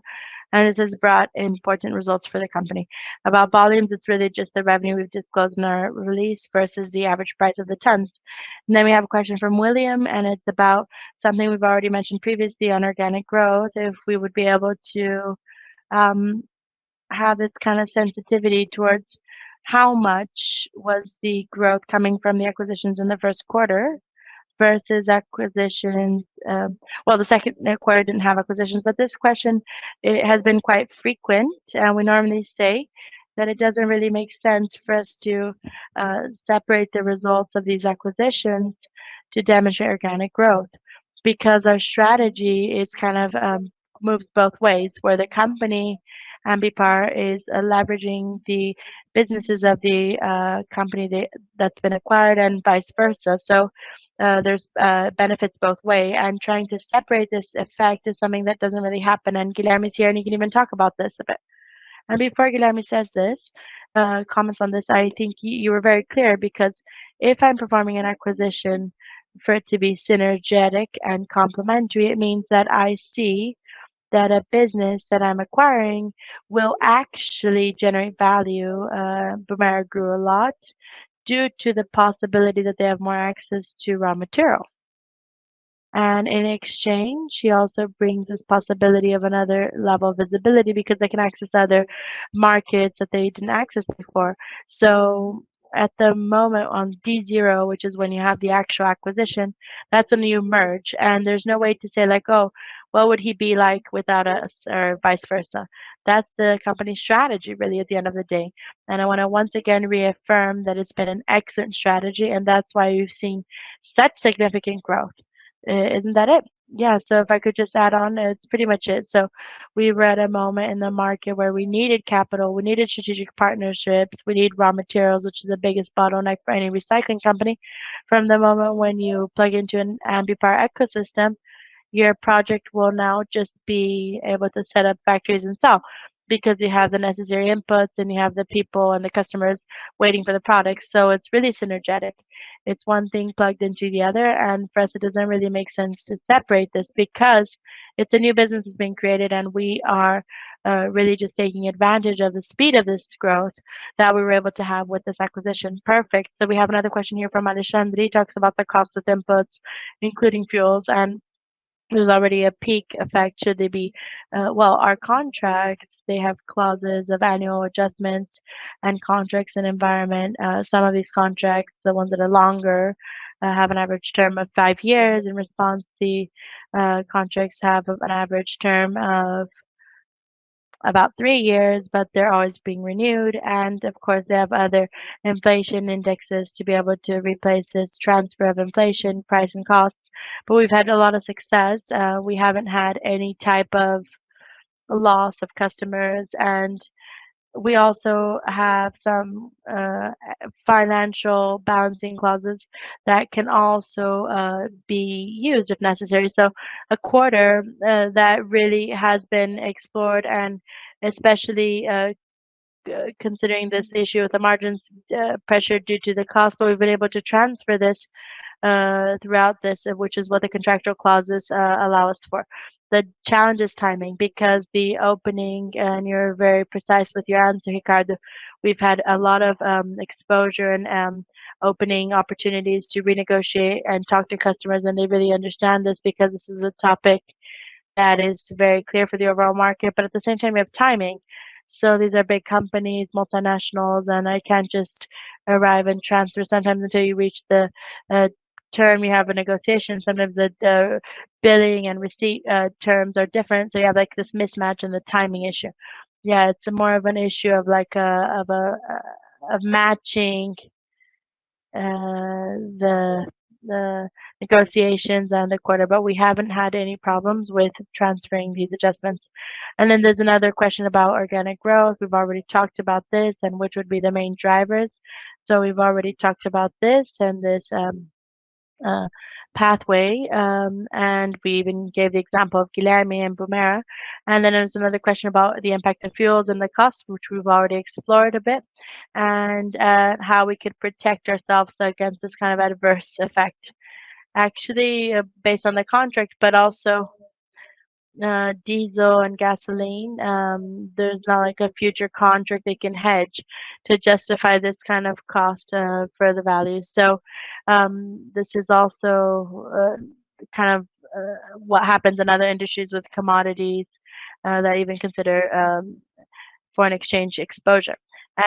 It has brought important results for the company. About volumes, it's really just the revenue we've disclosed in our release versus the average price of the tons. Then we have a question from William and it's about something we've already mentioned previously on organic growth. If we would be able to have this kind of sensitivity towards how much was the growth coming from the acquisitions in the first quarter versus acquisitions. Well, the second quarter didn't have acquisitions. This question, it has been quite frequent, and we normally say that it doesn't really make sense for us to separate the results of these acquisitions to demonstrate organic growth. Because our strategy is kind of moves both ways, where the company, Ambipar, is leveraging the businesses of the company that's been acquired and vice versa. So there's benefits both way, and trying to separate this effect is something that doesn't really happen. Guilherme is here, and he can even talk about this a bit. Before Guilherme says this, comments on this, I think you were very clear because if I'm performing an acquisition for it to be synergetic and complementary, it means that I see that a business that I'm acquiring will actually generate value. Boomera grew a lot due to the possibility that they have more access to raw material. In exchange, she also brings this possibility of another level of visibility because they can access other markets that they didn't access before. At the moment on D-0, which is when you have the actual acquisition, that's when you merge, and there's no way to say like, "Oh, what would he be like without us or vice versa." That's the company strategy really at the end of the day. I want to once again reaffirm that it's been an excellent strategy, and that's why you're seeing such significant growth. Isn't that it? Yeah. If I could just add on. That's pretty much it. We were at a moment in the market where we needed capital, we needed strategic partnerships, we need raw materials, which is the biggest bottleneck for any recycling company. From the moment when you plug into an Ambipar ecosystem, your project will now just be able to set up factories itself because you have the necessary inputs, and you have the people and the customers waiting for the product. It's really synergetic. It's one thing plugged into the other, and for us, it doesn't really make sense to separate this because it's a new business that's being created, and we are really just taking advantage of the speed of this growth that we were able to have with this acquisition. Perfect. We have another question here from Adishan. He talks about the cost of inputs, including fuels, and there's already a peak effect. Well, our contracts, they have clauses of annual adjustments in contracts in Environment. Some of these contracts, the ones that are longer, have an average term of five years. In Response, the contracts have an average term of about three years, but they're always being renewed. Of course, they have other inflation indexes to be able to replace this transfer of inflation, price, and costs. We've had a lot of success. We haven't had any type of loss of customers, and we also have some financial balancing clauses that can also be used if necessary. A quarter that really has been explored, and especially considering this issue with the margins pressure due to the cost, we've been able to transfer this throughout this, which is what the contractual clauses allow us for. The challenge is timing because the opening, and you're very precise with your answer, Ricardo. We've had a lot of exposure and opening opportunities to renegotiate and talk to customers, and they really understand this because this is a topic that is very clear for the overall market. At the same time, we have timing. These are big companies, multinationals, and I can't just arrive and transfer sometimes until you reach the term you have a negotiation. Sometimes the billing and receipt terms are different, so you have like this mismatch and the timing issue. Yeah, it's more of an issue of like a matching the negotiations and the quarter. We haven't had any problems with transferring these adjustments. There's another question about organic growth. We've already talked about this and which would be the main drivers. We've already talked about this and this pathway. We even gave the example of Guilherme and Boomera. There's another question about the impact of fuel and the cost, which we've already explored a bit, and how we could protect ourselves against this kind of adverse effect. Actually, based on the contract, but also, diesel and gasoline, there's now like a future contract they can hedge to justify this kind of cost, for the value. This is also, kind of, what happens in other industries with commodities, that even consider, foreign exchange exposure.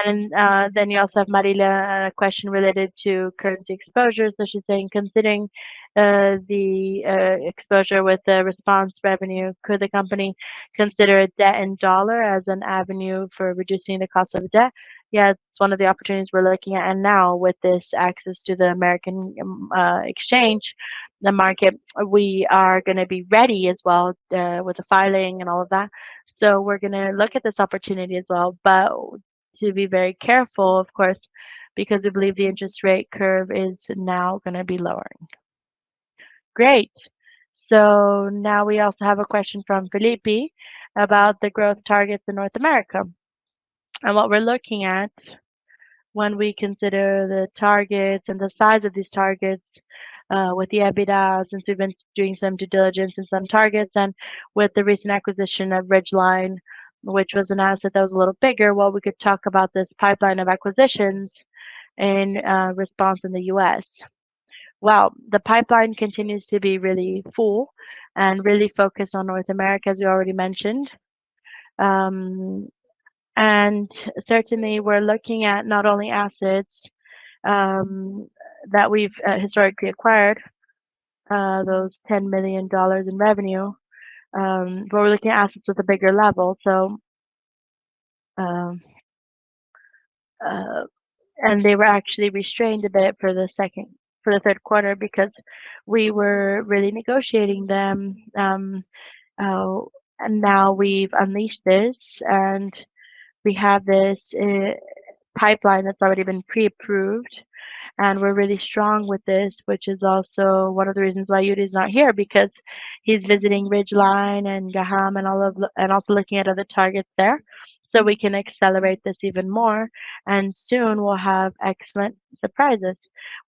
Then you also have Marilia, a question related to currency exposure. She's saying, considering, the, exposure with the response revenue, could the company consider a debt in dollar as an avenue for reducing the cost of debt? Yeah, it's one of the opportunities we're looking at. Now with this access to the American, exchange, the market, we are gonna be ready as well, with the filing and all of that. We're gonna look at this opportunity as well. To be very careful, of course, because we believe the interest rate curve is now gonna be lowering. Great. Now we also have a question from Felipe about the growth targets in North America. What we're looking at when we consider the targets and the size of these targets with the EBITDA, since we've been doing some due diligence and some targets, and with the recent acquisition of Ridgeline, which was an asset that was a little bigger, well, we could talk about this pipeline of acquisitions in the U.S. Well, the pipeline continues to be really full and really focused on North America, as you already mentioned. Certainly we're looking at not only assets that we've historically acquired those $10 million in revenue, but we're looking at assets at the bigger level. They were actually restrained a bit for the third quarter because we were really negotiating them. Now we've unleashed this, and we have this pipeline that's already been pre-approved, and we're really strong with this, which is also one of the reasons why Yuri is not here, because he's visiting Ridgeline and Graham and also looking at other targets there, so we can accelerate this even more. Soon we'll have excellent surprises.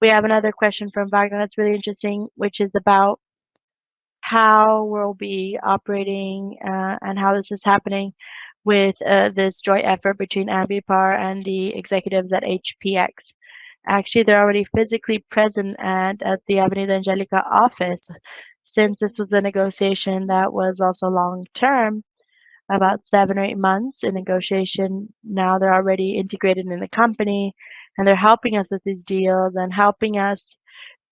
We have another question from Vagner that's really interesting, which is about how we'll be operating, and how this is happening with this joint effort between Ambipar and the executives at HPX. Actually, they're already physically present at the Avenida Angélica office. Since this is a negotiation that was also long term, about seven or eight months in negotiation, now they're already integrated in the company, and they're helping us with these deals and helping us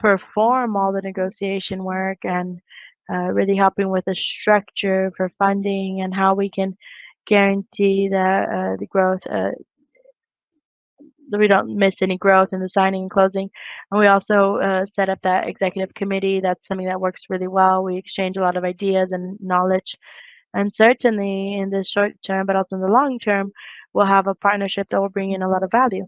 perform all the negotiation work and really helping with the structure for funding and how we can guarantee the growth that we don't miss any growth in the signing and closing. We also set up that executive committee. That's something that works really well. We exchange a lot of ideas and knowledge. Certainly in the short term, but also in the long term, we'll have a partnership that will bring in a lot of value.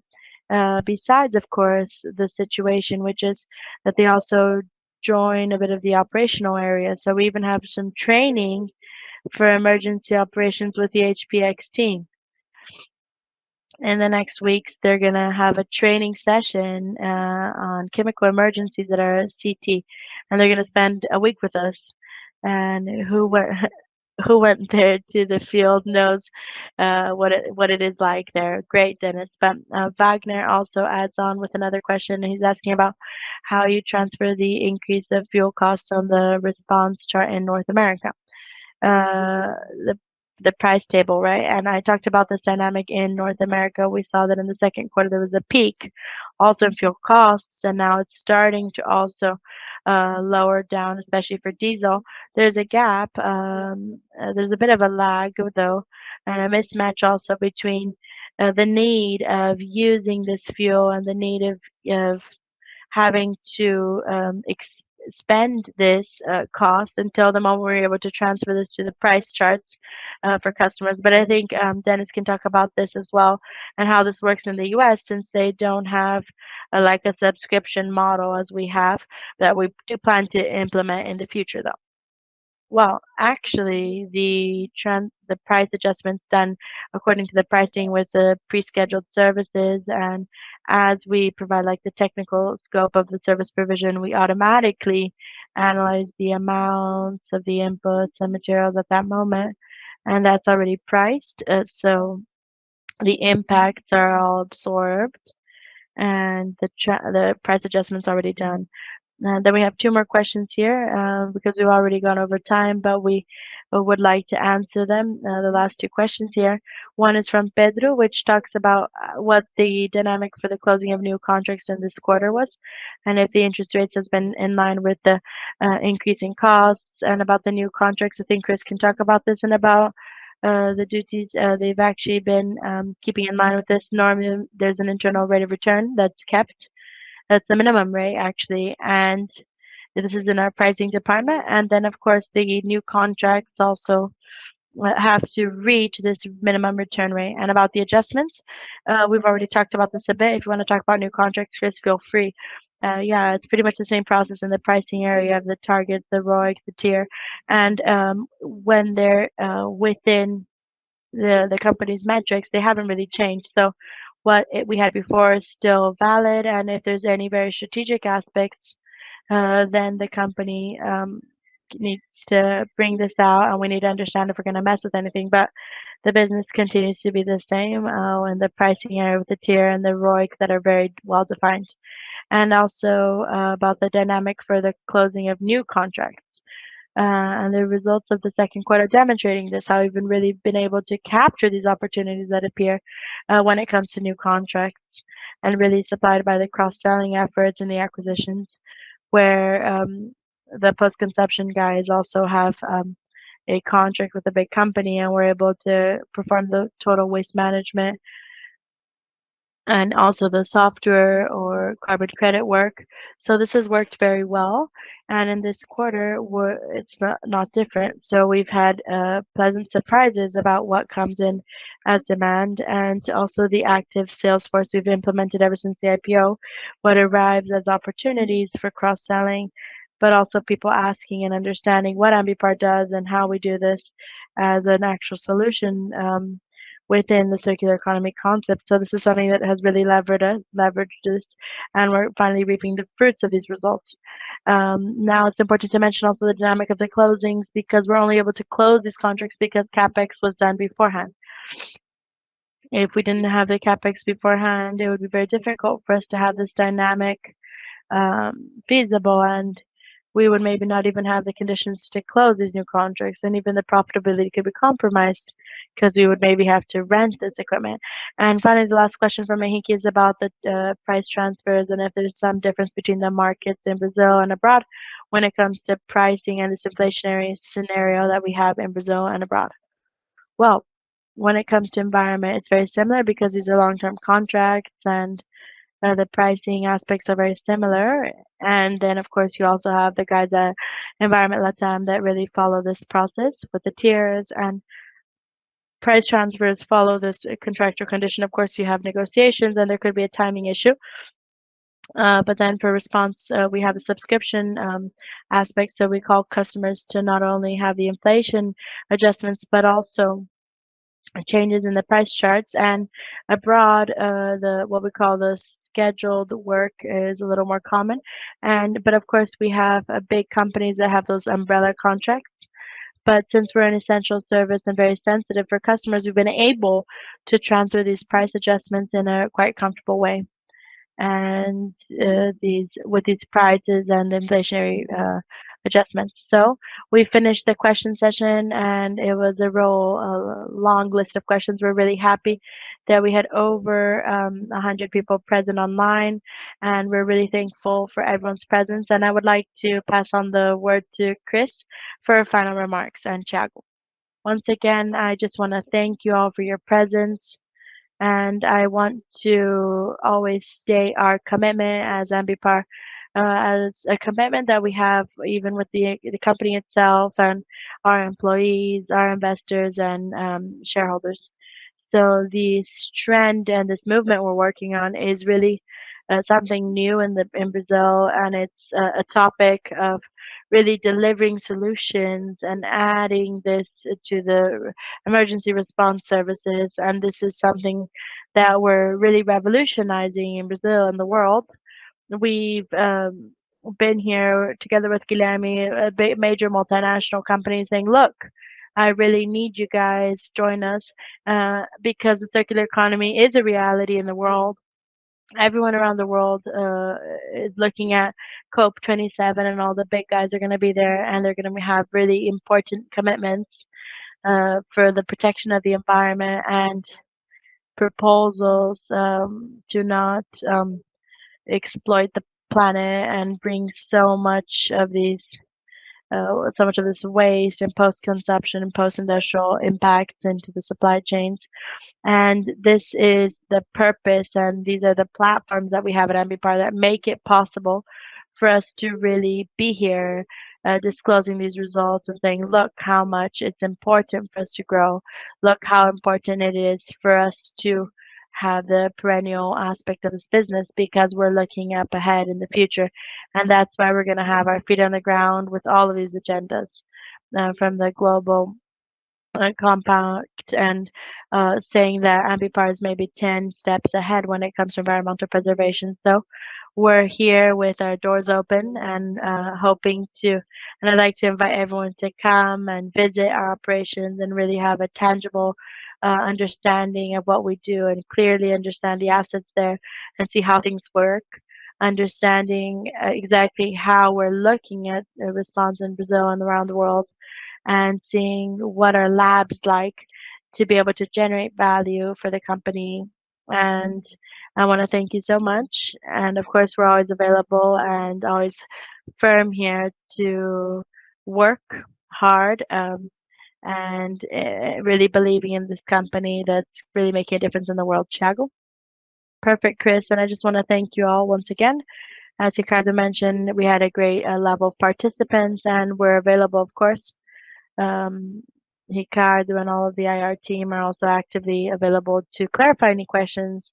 Besides of course, the situation, which is that they also join a bit of the operational area. We even have some training for emergency operations with the HPX team. In the next weeks, they're gonna have a training session on chemical emergencies at our CT, and they're gonna spend a week with us. Who went there to the field knows what it is like there. Great, Dennis. Vagner also adds on with another question, and he's asking about how you transfer the increase of fuel costs on the response chart in North America. The price table, right? I talked about this dynamic in North America. We saw that in the second quarter, there was a peak also in fuel costs, and now it's starting to also lower down, especially for diesel. There's a gap. There's a bit of a lag, though, and a mismatch also between the need of using this fuel and the need of having to expend this cost until the moment we're able to transfer this to the price tags for customers. I think Dennis can talk about this as well and how this works in the U.S. since they don't have like a subscription model as we have that we do plan to implement in the future, though. Well, actually, the price adjustments done according to the pricing with the pre-scheduled services, and as we provide like the technical scope of the service provision, we automatically analyze the amounts of the inputs and materials at that moment, and that's already priced. The impacts are all absorbed, and the price adjustment's already done. We have two more questions here, because we've already gone over time, but we would like to answer them, the last two questions here. One is from Pedro, which talks about what the dynamic for the closing of new contracts in this quarter was, and if the interest rates has been in line with the increasing costs and about the new contracts. I think Cris can talk about this and about the duties. They've actually been keeping in line with this. Normally, there's an internal rate of return that's kept. That's the minimum rate, actually. This is in our pricing department. Of course, the new contracts also have to reach this minimum return rate. About the adjustments, we've already talked about this a bit. If you wanna talk about new contracts, Cris, feel free. Yeah, it's pretty much the same process in the pricing area, the targets, the ROIC, the tier. When they're within the company's metrics, they haven't really changed. What we had before is still valid. If there's any very strategic aspects, then the company needs to bring this out, and we need to understand if we're gonna mess with anything. The business continues to be the same, and the pricing area with the tier and the ROIC that are very well-defined. Also, about the dynamic for the closing of new contracts, and the results of the second quarter demonstrating this, how we've been able to capture these opportunities that appear, when it comes to new contracts and really supplied by the cross-selling efforts and the acquisitions, where, the post-consumer guys also have, a contract with a big company, and we're able to perform the total waste management and also the software for carbon credit work. This has worked very well. In this quarter, it's not different. We've had pleasant surprises about what comes in as demand and also the active sales force we've implemented ever since the IPO, what arrives as opportunities for cross-selling, but also people asking and understanding what Ambipar does and how we do this as an actual solution, within the circular economy concept. This is something that has really leveraged this, and we're finally reaping the fruits of these results. Now it's important to mention also the dynamic of the closings because we're only able to close these contracts because CapEx was done beforehand. If we didn't have the CapEx beforehand, it would be very difficult for us to have this dynamic, feasible, and we would maybe not even have the conditions to close these new contracts, and even the profitability could be compromised because we would maybe have to rent this equipment. Finally, the last question from Mahenki is about the price transfers and if there's some difference between the markets in Brazil and abroad when it comes to pricing and this inflationary scenario that we have in Brazil and abroad. Well, when it comes to Environment, it's very similar because these are long-term contracts and the pricing aspects are very similar. Then, of course, you also have the guidelines that Environment LATAM really follows this process with the tiers. Price transfers follow this contractor condition. Of course, you have negotiations, and there could be a timing issue. For response, we have the subscription aspects that allow customers to not only have the inflation adjustments but also changes in the price charts. Abroad, the What we call the scheduled work is a little more common. Of course, we have big companies that have those umbrella contracts. Since we're an essential service and very sensitive for customers, we've been able to transfer these price adjustments in a quite comfortable way and with these prices and the inflationary adjustments. We finished the question session, and it was a real long list of questions. We're really happy that we had over 100 people present online, and we're really thankful for everyone's presence. I would like to pass on the word to Cris for final remarks and Tiago. Once again, I just want to thank you all for your presence, and I want to always state our commitment as Ambipar, as a commitment that we have even with the company itself and our employees, our investors, and shareholders. This trend and this movement we're working on is really something new in Brazil, and it's a topic of really delivering solutions and adding this to the emergency response services. This is something that we're really revolutionizing in Brazil and the world. We've been here together with Guilherme, a major multinational company saying, "Look, I really need you guys. Join us," because the circular economy is a reality in the world. Everyone around the world is looking at COP27, and all the big guys are gonna be there, and they're gonna have really important commitments for the protection of the environment and proposals to not exploit the planet and bring so much of this waste and post-consumer and post-industrial impacts into the supply chains. This is the purpose, and these are the platforms that we have at Ambipar that make it possible for us to really be here disclosing these results and saying, "Look how much it's important for us to grow. Look how important it is for us to have the perennial aspect of this business," because we're looking ahead in the future. That's why we're gonna have our feet on the ground with all of these agendas, from the global compact and, saying that Ambipar is maybe ten steps ahead when it comes to environmental preservation. We're here with our doors open and I'd like to invite everyone to come and visit our operations and really have a tangible understanding of what we do and clearly understand the assets there and see how things work, understanding exactly how we're looking at a Response in Brazil and around the world and seeing what our labs like to be able to generate value for the company. I wanna thank you so much. Of course, we're always available and always firm here to work hard and really believing in this company that's really making a difference in the world. Tiago. Perfect, Cris. I just wanna thank you all once again. As Ricardo mentioned, we had a great level of participants, and we're available, of course. Ricardo and all of the IR team are also actively available to clarify any questions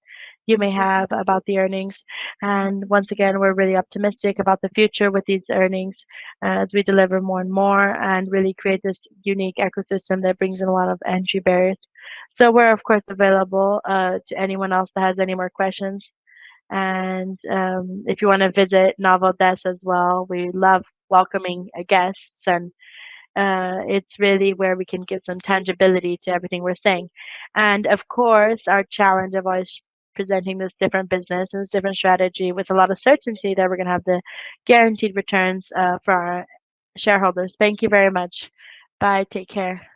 you may have about the earnings. Once again, we're really optimistic about the future with these earnings as we deliver more and more and really create this unique ecosystem that brings in a lot of entry barriers. We're of course available to anyone else that has any more questions. If you wanna visit Nova Odessa as well, we love welcoming guests, and it's really where we can give some tangibility to everything we're saying. Of course, our challenge of always presenting this different business and this different strategy with a lot of certainty that we're gonna have the guaranteed returns, for our shareholders. Thank you very much. Bye. Take care.